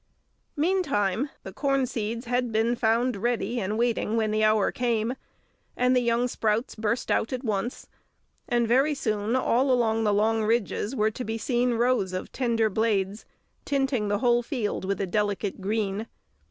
Meantime, the corn seeds had been found ready and waiting when the hour came, and the young sprouts burst out at once; and very soon all along the long ridges were to be seen rows of tender blades, tinting the whole field with a delicate green.